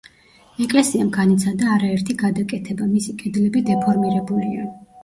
ეკლესიამ განიცადა არაერთი გადაკეთება, მისი კედლები დეფორმირებულია.